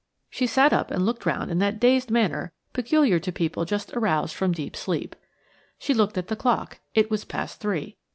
She sat up and looked round in that dazed manner peculiar to people just aroused from deep sleep. She looked at the clock; it was past three.